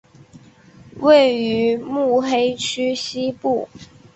位于目黑区西部。